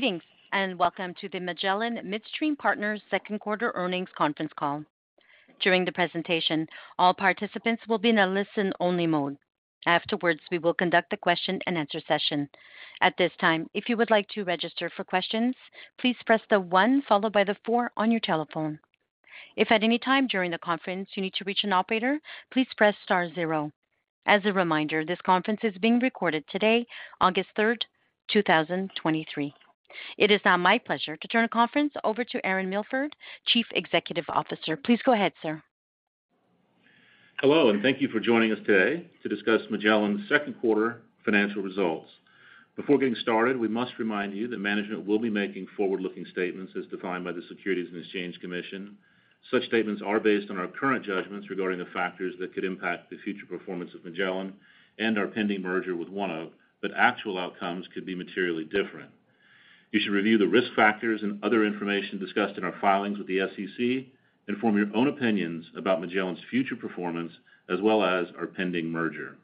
Greetings, welcome to the Magellan Midstream Partners second quarter earnings conference call. During the presentation, all participants will be in a listen-only mode. Afterwards, we will conduct a question-and-answer session. At this time, if you would like to register for questions, please press the one followed by the four on your telephone. If at any time during the conference you need to reach an operator, please press star zero. As a reminder, this conference is being recorded today, August 3, 2023. It is now my pleasure to turn the conference over to Aaron Milford, Chief Executive Officer. Please go ahead, sir. Hello, and thank you for joining us today to discuss Magellan's second quarter financial results. Before getting started, we must remind you that management will be making forward-looking statements as defined by the Securities and Exchange Commission. Such statements are based on our current judgments regarding the factors that could impact the future performance of Magellan and our pending merger with ONEOK, but actual outcomes could be materially different. You should review the risk factors and other information discussed in our filings with the SEC and form your own opinions about Magellan's future performance, as well as our pending merger.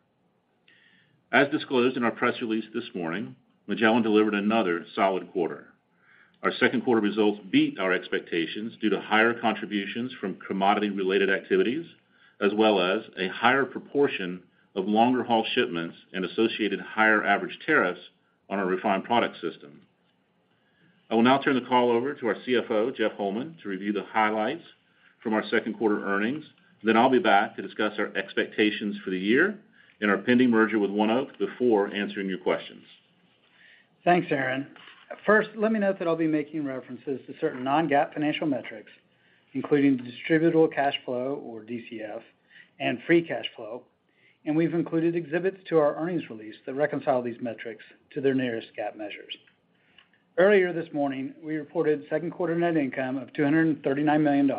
As disclosed in our press release this morning, Magellan delivered another solid quarter. Our second quarter results beat our expectations due to higher contributions from commodity-related activities, as well as a higher proportion of longer-haul shipments and associated higher average tariffs on our refined product system. I will now turn the call over to our CFO, Jeff Holman, to review the highlights from our second quarter earnings. I'll be back to discuss our expectations for the year and our pending merger with ONEOK before answering your questions. Thanks, Aaron. First, let me note that I'll be making references to certain non-GAAP financial metrics, including distributable cash flow, or DCF, and free cash flow. We've included exhibits to our earnings release that reconcile these metrics to their nearest GAAP measures. Earlier this morning, we reported second quarter net income of $239 million,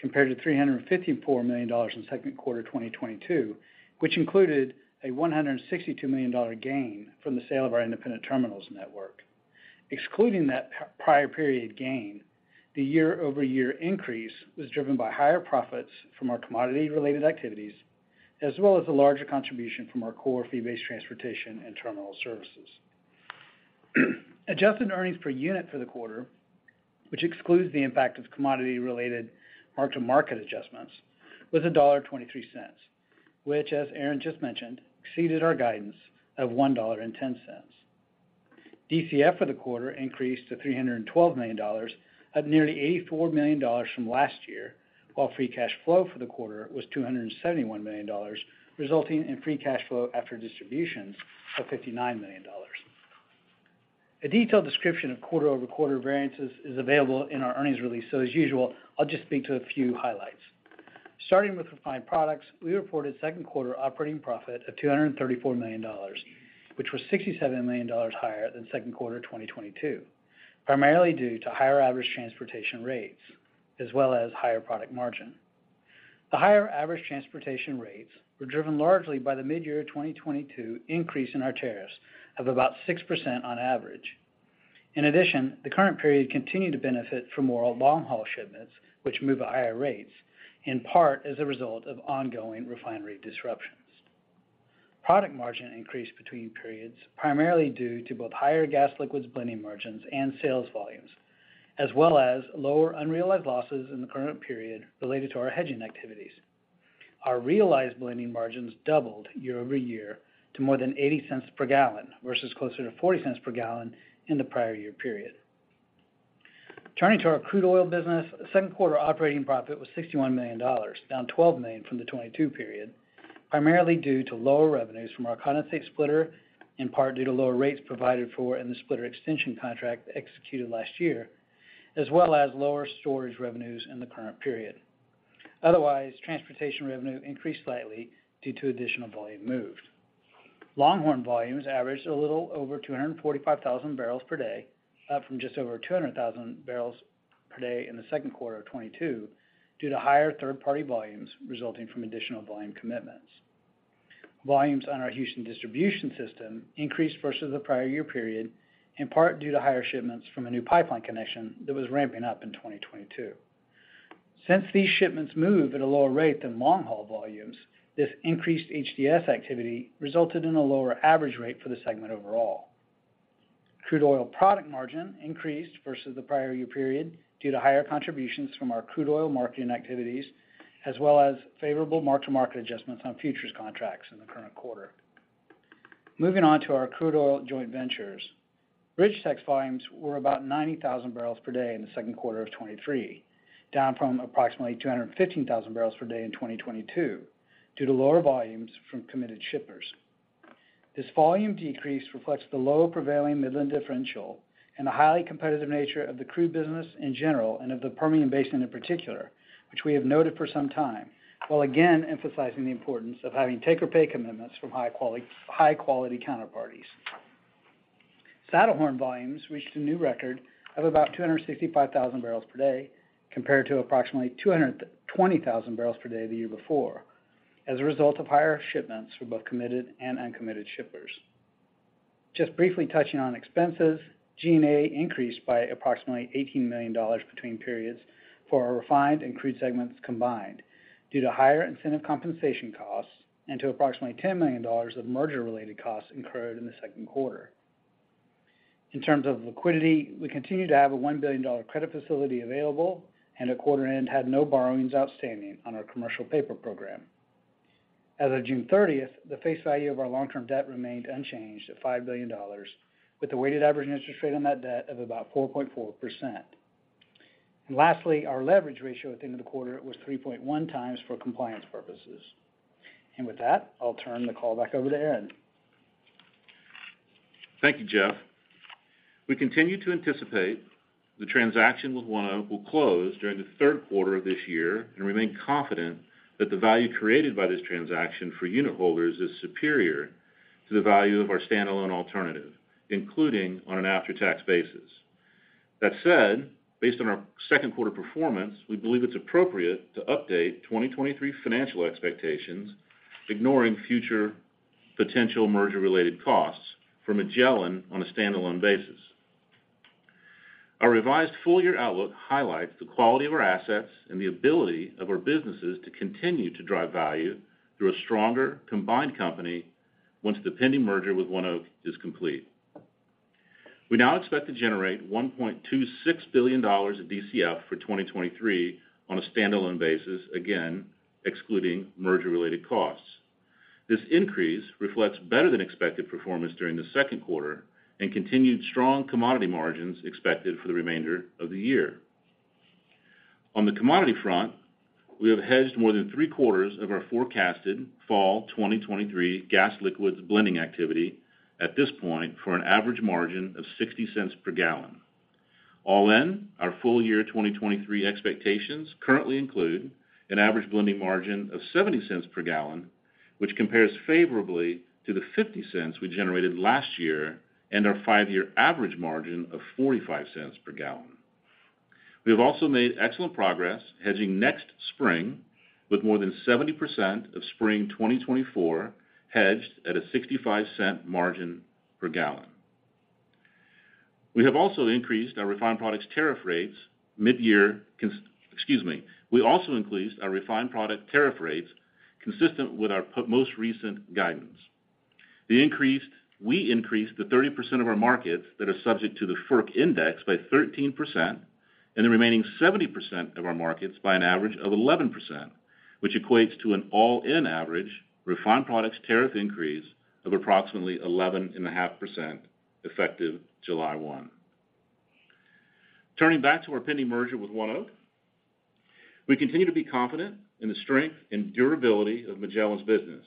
compared to $354 million in second quarter 2022, which included a $162 million gain from the sale of our independent terminals network. Excluding that prior period gain, the year-over-year increase was driven by higher profits from our commodity-related activities, as well as a larger contribution from our core fee-based transportation and terminal services. Adjusted earnings per unit for the quarter, which excludes the impact of commodity-related mark-to-market adjustments, was $1.23, which, as Aaron just mentioned, exceeded our guidance of $1.10. DCF for the quarter increased to $312 million, up nearly $84 million from last year, while free cash flow for the quarter was $271 million, resulting in free cash flow after distributions of $59 million. A detailed description of quarter-over-quarter variances is available in our earnings release, so as usual, I'll just speak to a few highlights. Starting with refined products, we reported second quarter operating profit of $234 million, which was $67 million higher than second quarter 2022, primarily due to higher average transportation rates as well as higher product margin. The higher average transportation rates were driven largely by the midyear 2022 increase in our tariffs of about 6% on average. In addition, the current period continued to benefit from more long-haul shipments, which move at higher rates, in part as a result of ongoing refinery disruptions. Product margin increased between periods, primarily due to both higher gas liquids blending margins and sales volumes, as well as lower unrealized losses in the current period related to our hedging activities. Our realized blending margins doubled year-over-year to more than $0.80 per gallon versus closer to $0.40 per gallon in the prior year period. Turning to our crude oil business, second quarter operating profit was $61 million, down $12 million from the 2022 period, primarily due to lower revenues from our condensate splitter, in part due to lower rates provided for in the splitter extension contract executed last year, as well as lower storage revenues in the current period. Otherwise, transportation revenue increased slightly due to additional volume moved. Longhorn volumes averaged a little over 245,000 barrels per day, up from just over 200,000 barrels per day in the second quarter of 2022, due to higher third-party volumes resulting from additional volume commitments. Volumes on our Houston distribution system increased versus the prior year period, in part due to higher shipments from a new pipeline connection that was ramping up in 2022. Since these shipments move at a lower rate than long-haul volumes, this increased HDS activity resulted in a lower average rate for the segment overall. Crude oil product margin increased versus the prior year period due to higher contributions from our crude oil marketing activities, as well as favorable mark-to-market adjustments on futures contracts in the current quarter. Moving on to our crude oil joint ventures. BridgeTex volumes were about 90,000 barrels per day in the second quarter of 2023, down from approximately 215,000 barrels per day in 2022, due to lower volumes from committed shippers. This volume decrease reflects the low prevailing Midland differential and the highly competitive nature of the crude business in general, and of the Permian Basin in particular, which we have noted for some time, while again emphasizing the importance of having take-or-pay commitments from high-quality counterparties. Saddlehorn volumes reached a new record of about 265,000 barrels per day, compared to approximately 220,000 barrels per day the year before, as a result of higher shipments for both committed and uncommitted shippers. Just briefly touching on expenses, G&A increased by approximately $18 million between periods for our refined and crude segments combined, due to higher incentive compensation costs and to approximately $10 million of merger-related costs incurred in the second quarter. In terms of liquidity, we continue to have a $1 billion credit facility available, at quarter end had no borrowings outstanding on our commercial paper program. As of June thirtieth, the face value of our long-term debt remained unchanged at $5 billion, with a weighted average interest rate on that debt of about 4.4%. Lastly, our leverage ratio at the end of the quarter was 3.1 times for compliance purposes. With that, I'll turn the call back over to Aaron. Thank you, Jeff. We continue to anticipate the transaction with ONEOK will close during the third quarter of this year and remain confident that the value created by this transaction for unitholders is superior to the value of our standalone alternative, including on an after-tax basis. That said, based on our second quarter performance, we believe it's appropriate to update 2023 financial expectations, ignoring future potential merger-related costs for Magellan on a standalone basis. Our revised full-year outlook highlights the quality of our assets and the ability of our businesses to continue to drive value through a stronger, combined company once the pending merger with ONEOK is complete. We now expect to generate $1.26 billion of DCF for 2023 on a standalone basis, again, excluding merger-related costs. This increase reflects better than expected performance during the second quarter and continued strong commodity margins expected for the remainder of the year. On the commodity front, we have hedged more than 3 quarters of our forecasted fall 2023 gas liquids blending activity at this point for an average margin of $0.60 per gallon. All in, our full year 2023 expectations currently include an average blending margin of $0.70 per gallon, which compares favorably to the $0.50 we generated last year and our 5-year average margin of $0.45 per gallon. We have also made excellent progress hedging next spring, with more than 70% of spring 2024 hedged at a $0.65 margin per gallon. We have also increased our refined products tariff rates mid-year, excuse me. We also increased our refined product tariff rates, consistent with our most recent guidance. We increased the 30% of our markets that are subject to the FERC index by 13% and the remaining 70% of our markets by an average of 11%, which equates to an all-in average refined products tariff increase of approximately 11.5%, effective July 1. Turning back to our pending merger with ONEOK, we continue to be confident in the strength and durability of Magellan's business,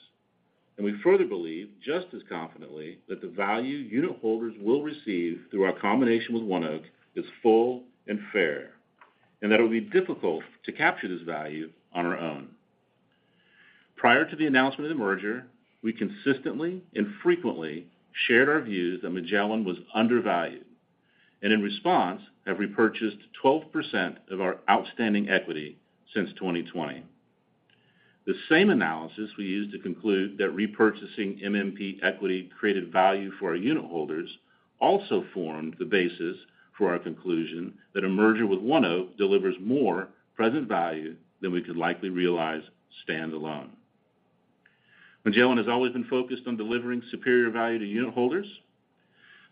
and we further believe, just as confidently, that the value unitholders will receive through our combination with ONEOK is full and fair, and that it will be difficult to capture this value on our own. Prior to the announcement of the merger, we consistently and frequently shared our views that Magellan was undervalued, and in response, have repurchased 12% of our outstanding equity since 2020. The same analysis we used to conclude that repurchasing MMP equity created value for our unitholders also formed the basis for our conclusion that a merger with ONEOK delivers more present value than we could likely realize standalone. Magellan has always been focused on delivering superior value to unitholders.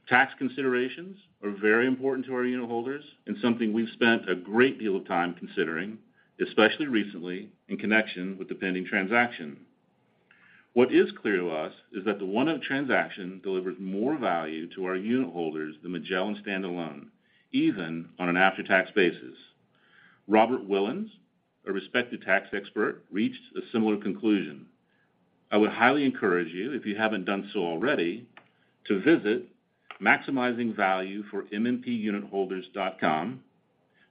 Tax considerations are very important to our unitholders and something we've spent a great deal of time considering, especially recently in connection with the pending transaction. What is clear to us is that the ONEOK transaction delivers more value to our unitholders than Magellan standalone, even on an after-tax basis. Robert Willens, a respected tax expert, reached a similar conclusion. I would highly encourage you, if you haven't done so already, to visit maximizingvalueformmpunitholders.com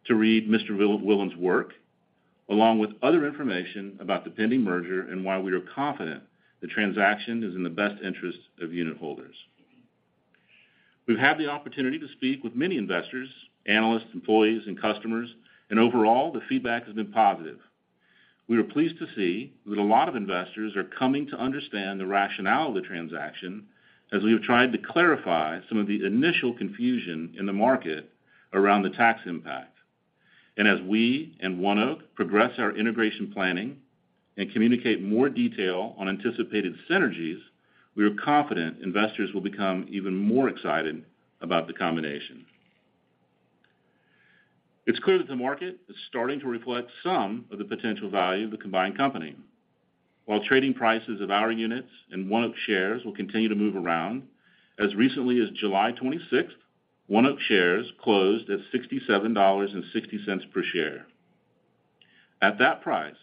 to read Mr. Willens' work, along with other information about the pending merger and why we are confident the transaction is in the best interest of unitholders. We've had the opportunity to speak with many investors, analysts, employees, and customers, overall, the feedback has been positive. We are pleased to see that a lot of investors are coming to understand the rationale of the transaction, as we have tried to clarify some of the initial confusion in the market around the tax impact. As we and ONEOK progress our integration planning and communicate more detail on anticipated synergies, we are confident investors will become even more excited about the combination. It's clear that the market is starting to reflect some of the potential value of the combined company. While trading prices of our units and ONEOK shares will continue to move around, as recently as July 26th, ONEOK shares closed at $67.60 per share. At that price,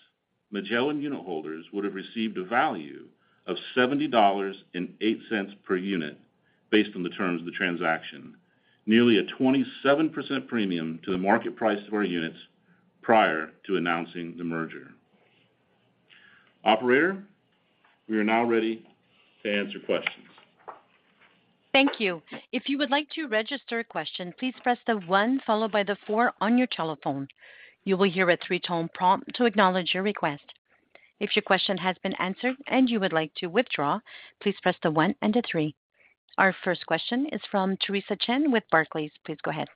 Magellan unitholders would have received a value of $70.08 per unit based on the terms of the transaction, nearly a 27% premium to the market price of our units prior to announcing the merger. Operator, we are now ready to answer questions. Thank you. If you would like to register a question, please press the 1 followed by the 4 on your telephone. You will hear a 3-tone prompt to acknowledge your request. If your question has been answered and you would like to withdraw, please press the 1 and a 3. Our first question is from Theresa Chen with Barclays. Please go ahead....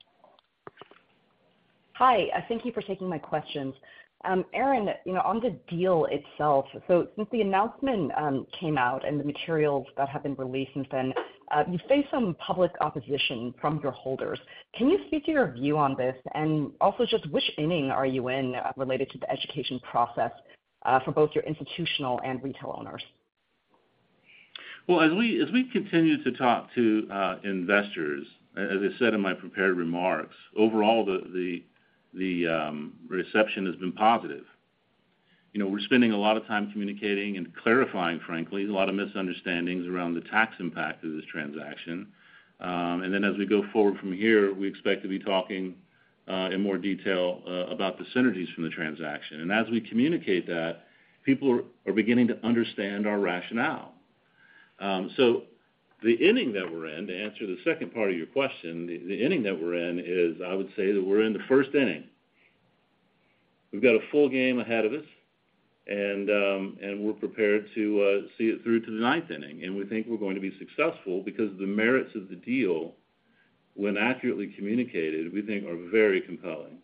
Hi, thank you for taking my questions. Aaron, you know, on the deal itself, since the announcement came out and the materials that have been released since then, you face some public opposition from your holders. Can you speak to your view on this? Also just which inning are you in, related to the education process, for both your institutional and retail owners? Well, as we, as we continue to talk to investors, as, as I said in my prepared remarks, overall, the, the, the reception has been positive. You know, we're spending a lot of time communicating and clarifying, frankly, a lot of misunderstandings around the tax impact of this transaction. As we go forward from here, we expect to be talking in more detail about the synergies from the transaction. As we communicate that, people are, are beginning to understand our rationale. The inning that we're in, to answer the second part of your question, the, the inning that we're in is, I would say that we're in the first inning. We've got a full game ahead of us, and we're prepared to see it through to the ninth inning, and we think we're going to be successful because the merits of the deal, when accurately communicated, we think are very compelling.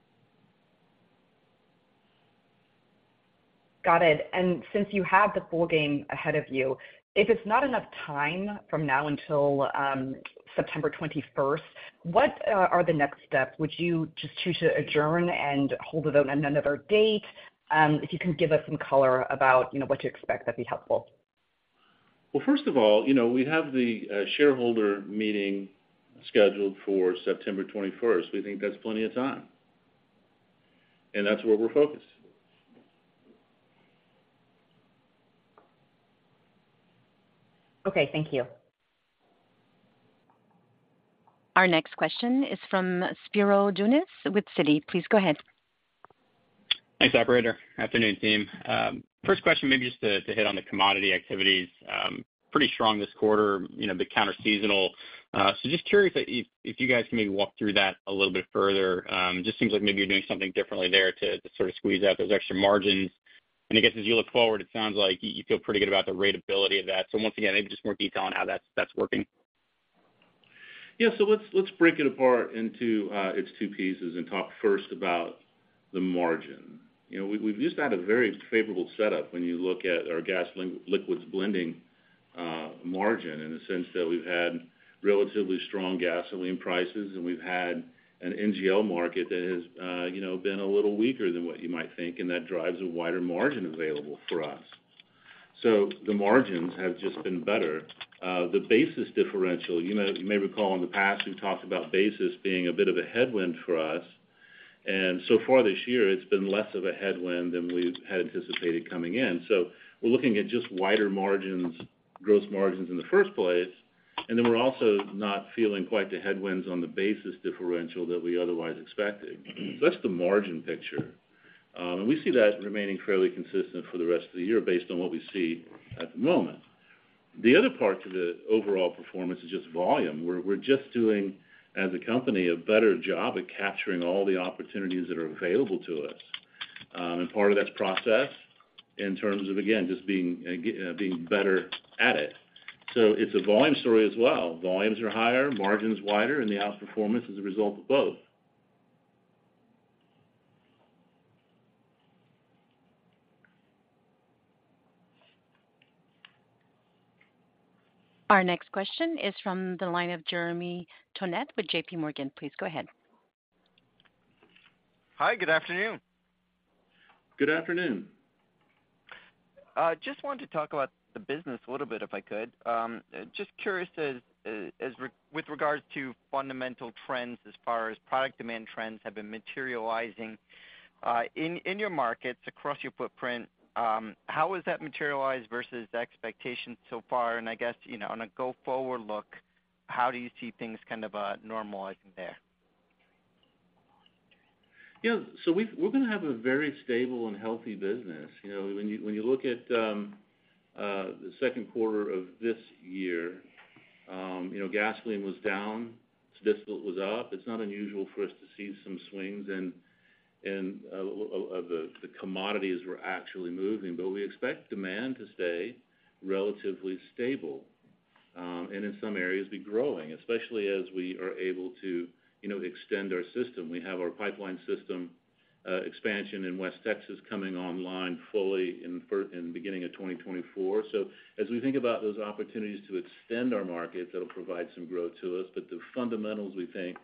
Got it. Since you have the full game ahead of you, if it's not enough time from now until, September 21st, what are the next steps? Would you just choose to adjourn and hold it on another date? If you can give us some color about, you know, what to expect, that'd be helpful. Well, first of all, you know, we have the shareholder meeting scheduled for September 21st. We think that's plenty of time, that's where we're focused. Okay, thank you. Our next question is from Spiro Dounis with Citi. Please go ahead. Thanks, operator. Afternoon, team. First question, maybe just to, to hit on the commodity activities. Pretty strong this quarter, you know, a bit counterseasonal. Just curious if, if you guys can maybe walk through that a little bit further. It just seems like maybe you're doing something differently there to, to sort of squeeze out those extra margins. I guess as you look forward, it sounds like you, you feel pretty good about the ratability of that. Once again, maybe just more detail on how that's, that's working. Yeah. let's, let's break it apart into its two pieces and talk first about the margin. You know, we've, we've just had a very favorable setup when you look at our gasoline liquids blending margin, in the sense that we've had relatively strong gasoline prices, and we've had an NGL market that has, you know, been a little weaker than what you might think, and that drives a wider margin available for us. The margins have just been better. The basis differential, you may, you may recall in the past, we've talked about basis being a bit of a headwind for us, and so far this year, it's been less of a headwind than we had anticipated coming in. We're looking at just wider margins, gross margins in the first place, and then we're also not feeling quite the headwinds on the basis differential that we otherwise expected. That's the margin picture. And we see that remaining fairly consistent for the rest of the year based on what we see at the moment. The other part to the overall performance is just volume. We're, we're just doing, as a company, a better job at capturing all the opportunities that are available to us. And part of that's process in terms of, again, just being better at it. It's a volume story as well. Volumes are higher, margins wider, and the outperformance is a result of both. Our next question is from the line of Jeremy Tonet with JPMorgan. Please go ahead. Hi, good afternoon. Good afternoon. Just wanted to talk about the business a little bit, if I could. Just curious as, as with regards to fundamental trends as far as product demand trends have been materializing, in, in your markets, across your footprint, how has that materialized versus expectations so far? I guess, you know, on a go-forward look, how do you see things kind of, normalizing there? Yeah, we've gonna have a very stable and healthy business. You know, when you, when you look at the second quarter of this year, you know, gasoline was down, diesel was up. It's not unusual for us to see some swings and, and the, the commodities were actually moving, but we expect demand to stay relatively stable, and in some areas be growing, especially as we are able to, you know, extend our system. We have our pipeline system, expansion in West Texas coming online fully in first in the beginning of 2024. As we think about those opportunities to extend our market, that'll provide some growth to us. The fundamentals we think,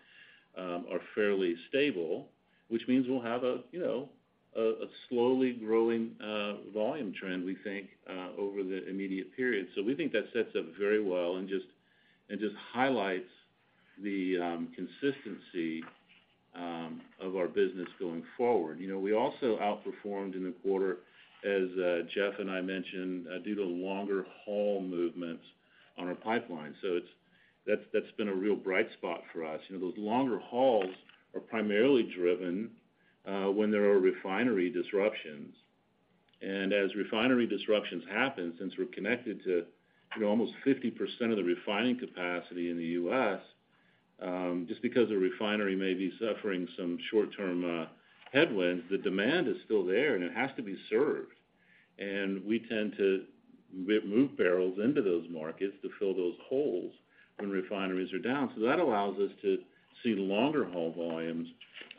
are fairly stable, which means we'll have a, you know, a, a slowly growing volume trend, we think, over the immediate period. We think that sets up very well and just, and just highlights the consistency of our business going forward. You know, we also outperformed in the quarter, as Jeff and I mentioned, due to longer haul movements on our pipeline. That's, that's been a real bright spot for us. You know, those longer hauls are primarily driven when there are refinery disruptions. As refinery disruptions happen, since we're connected to, you know, almost 50% of the refining capacity in the U.S., just because a refinery may be suffering some short-term headwind, the demand is still there, and it has to be served. We tend to move barrels into those markets to fill those holes when refineries are down. That allows us to see longer haul volumes.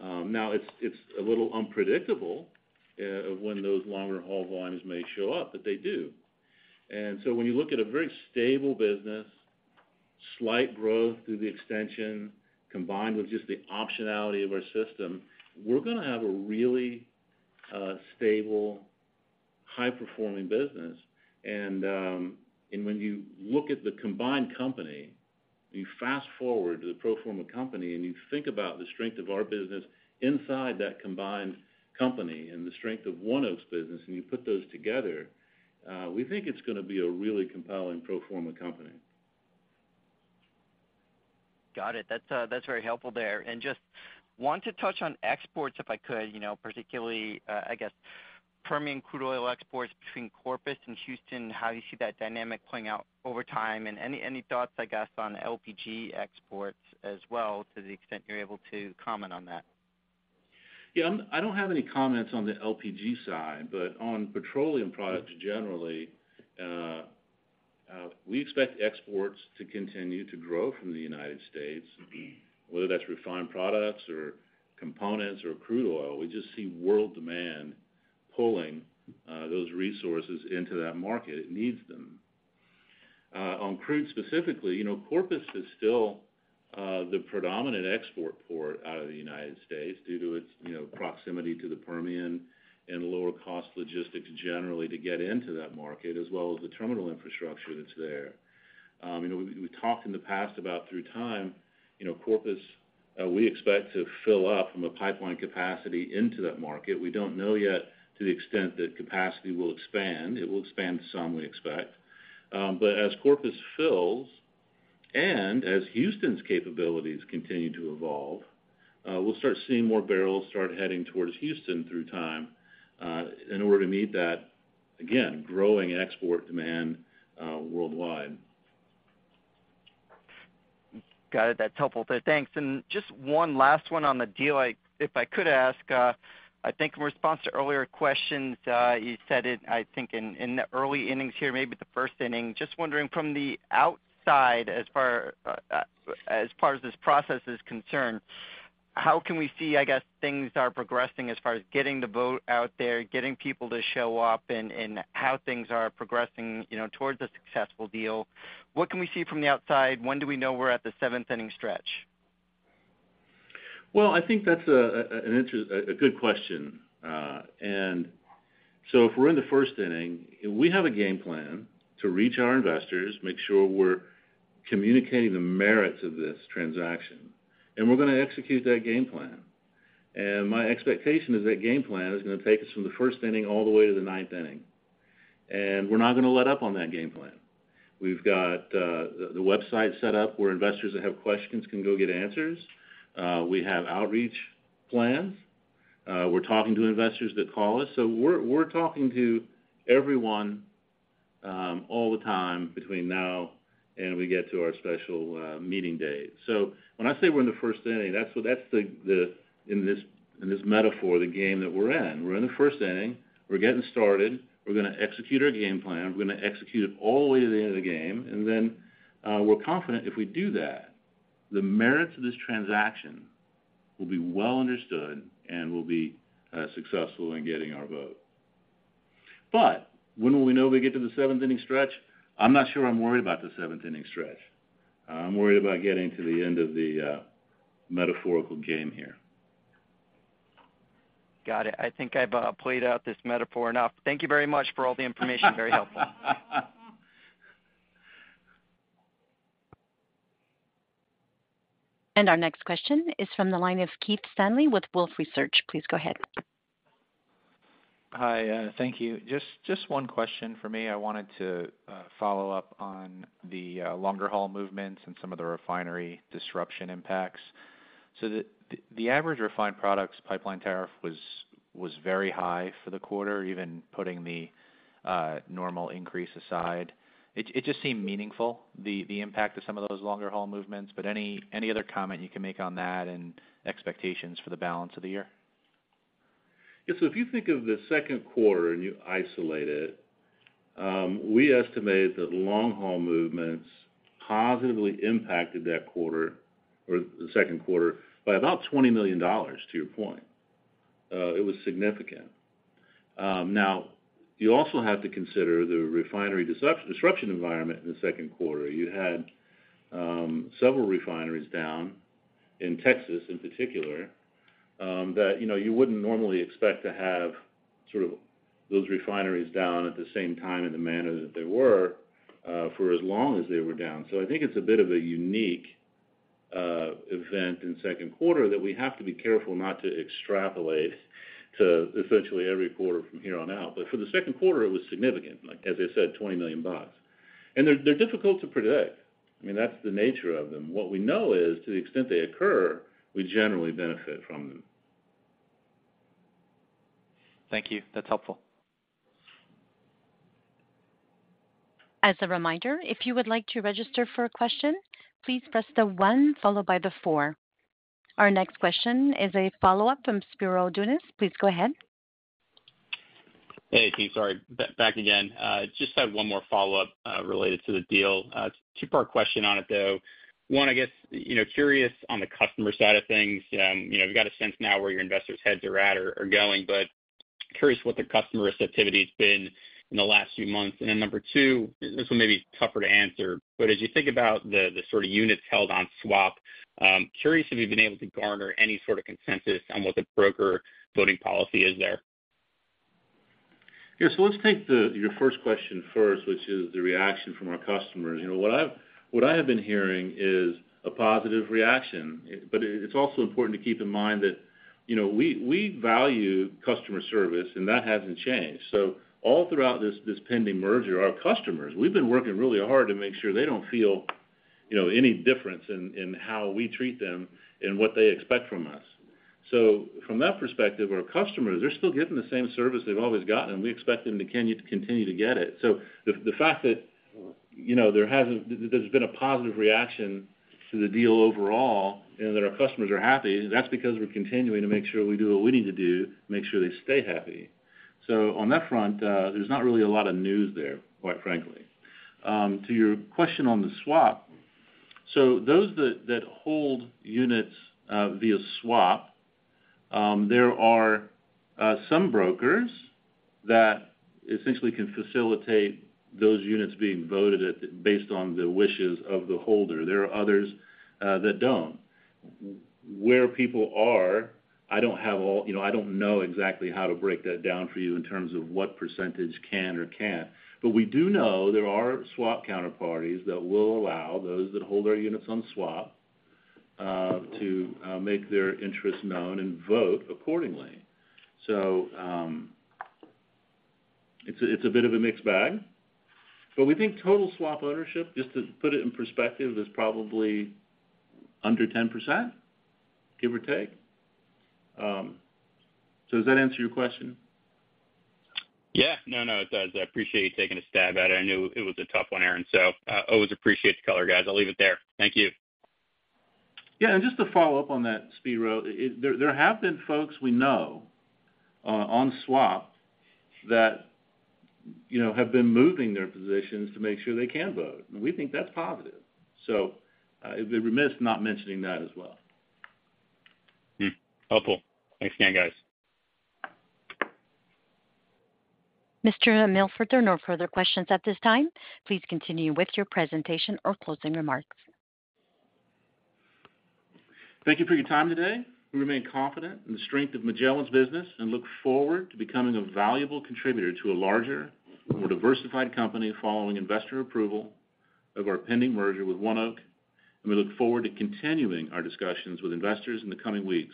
Now it's, it's a little unpredictable when those longer haul volumes may show up, but they do. When you look at a very stable business, slight growth through the extension, combined with just the optionality of our system, we're gonna have a really stable, high-performing business. When you look at the combined company, you fast forward to the pro forma company, and you think about the strength of our business inside that combined company and the strength of ONEOK's business, and you put those together, we think it's gonna be a really compelling pro forma company. Got it. That's, that's very helpful there. Just want to touch on exports, if I could, you know, particularly, I guess, Permian crude oil exports between Corpus and Houston, how you see that dynamic playing out over time? Any, any thoughts, I guess, on LPG exports as well, to the extent you're able to comment on that? Yeah, I don't have any comments on the LPG side, but on petroleum products generally, we expect exports to continue to grow from the United States, whether that's refined products or components or crude oil. We just see world demand pulling those resources into that market. It needs them. On crude specifically, you know, Corpus is still the predominant export port out of the United States due to its, you know, proximity to the Permian and lower-cost logistics generally to get into that market, as well as the terminal infrastructure that's there. You know, we, we talked in the past about through time, you know, Corpus, we expect to fill up from a pipeline capacity into that market. We don't know yet to the extent that capacity will expand. It will expand some, we expect. As Corpus fills and as Houston's capabilities continue to evolve, we'll start seeing more barrels start heading towards Houston through time, in order to meet that, again, growing export demand, worldwide. Got it. That's helpful. Thanks. Just one last one on the deal, like, if I could ask, I think in response to earlier questions, you said it, I think, in, in the early innings here, maybe the first inning. Just wondering from the outside, as far, as far as this process is concerned, how can we see, I guess, things are progressing as far as getting the vote out there, getting people to show up, and, and how things are progressing, you know, towards a successful deal? What can we see from the outside? When do we know we're at the seventh-inning stretch? Well, I think that's a, a good question. If we're in the first inning, we have a game plan to reach our investors, make sure we're communicating the merits of this transaction, and we're gonna execute that game plan. My expectation is that game plan is gonna take us from the first inning all the way to the ninth inning, and we're not gonna let up on that game plan. We've got the website set up where investors that have questions can go get answers. We have outreach plans. We're talking to investors that call us. We're, we're talking to everyone, all the time between now and we get to our special meeting date. When I say we're in the first inning, that's the, that's the, the, in this, in this metaphor, the game that we're in. We're in the first inning. We're getting started. We're gonna execute our game plan. We're gonna execute it all the way to the end of the game. We're confident if we do that, the merits of this transaction will be well understood and will be successful in getting our vote. When will we know we get to the seventh-inning stretch? I'm not sure I'm worried about the seventh-inning stretch. I'm worried about getting to the end of the metaphorical game here. Got it. I think I've played out this metaphor enough. Thank you very much for all the information. Very helpful. Our next question is from the line of Keith Stanley with Wolfe Research. Please go ahead. Hi, thank you. Just, just one question for me. I wanted to follow up on the longer-haul movements and some of the refinery disruption impacts. The average refined products pipeline tariff was, was very high for the quarter, even putting the normal increase aside. It, it just seemed meaningful, the, the impact of some of those longer-haul movements. Any, any other comment you can make on that and expectations for the balance of the year? Yeah, so if you think of the second quarter and you isolate it, we estimate that long-haul movements positively impacted that quarter or the second quarter by about $20 million, to your point. It was significant. Now, you also have to consider the refinery disruption environment in the second quarter. You had several refineries down in Texas, in particular, that, you know, you wouldn't normally expect to have sort of those refineries down at the same time, in the manner that they were, for as long as they were down. I think it's a bit of a unique event in second quarter that we have to be careful not to extrapolate to essentially every quarter from here on out. For the second quarter, it was significant, like, as I said, $20 million. They're, they're difficult to predict. I mean, that's the nature of them. What we know is, to the extent they occur, we generally benefit from them. Thank you. That's helpful. As a reminder, if you would like to register for a question, please press the 1 followed by the 4. Our next question is a follow-up from Spiro Dounis. Please go ahead. Hey, team, sorry. Back again. Just have one more follow-up related to the deal. Two-part question on it, though. One, I guess, you know, curious on the customer side of things. You know, we've got a sense now where your investors' heads are at or, or going, but curious what the customer receptivity has been in the last few months. Then number two, this one may be tougher to answer, but as you think about the sort of units held on swap, curious if you've been able to garner any sort of consensus on what the broker voting policy is there? Yeah. Let's take the, your first question first, which is the reaction from our customers. You know, what I have been hearing is a positive reaction, but it, it's also important to keep in mind that, you know, we, we value customer service, and that hasn't changed. All throughout this, this pending merger, our customers, we've been working really hard to make sure they don't feel, you know, any difference in, in how we treat them and what they expect from us. From that perspective, our customers, they're still getting the same service they've always gotten, and we expect them to continue, to continue to get it. The, the fact that, you know, there's been a positive reaction to the deal overall and that our customers are happy, that's because we're continuing to make sure we do what we need to do to make sure they stay happy. On that front, there's not really a lot of news there, quite frankly. To your question on the swap, those that, that hold units via swap, there are some brokers that essentially can facilitate those units being voted at, based on the wishes of the holder. There are others that don't. Where people are, I don't have all... You know, I don't know exactly how to break that down for you in terms of what percentage can or can't, but we do know there are swap counterparties that will allow those that hold our units on swap to make their interests known and vote accordingly. It's a bit of a mixed bag, but we think total swap ownership, just to put it in perspective, is probably under 10%, give or take. Does that answer your question? Yeah. No, no, it does. I appreciate you taking a stab at it. I knew it was a tough one, Aaron, so always appreciate the color, guys. I'll leave it there. Thank you. Yeah, just to follow up on that, Spiro, there, there have been folks we know, on swap that, you know, have been moving their positions to make sure they can vote, and we think that's positive. It'd be remiss not mentioning that as well. Helpful. Thanks again, guys. Mr. Milford, there are no further questions at this time. Please continue with your presentation or closing remarks. Thank you for your time today. We remain confident in the strength of Magellan's business and look forward to becoming a valuable contributor to a larger, more diversified company following investor approval of our pending merger with ONEOK. We look forward to continuing our discussions with investors in the coming weeks.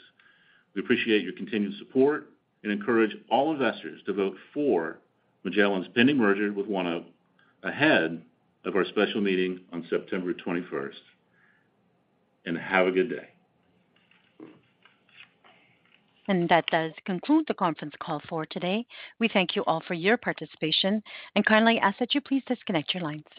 We appreciate your continued support and encourage all investors to vote for Magellan's pending merger with ONEOK ahead of our special meeting on September 21st. Have a good day. That does conclude the conference call for today. We thank you all for your participation and kindly ask that you please disconnect your lines.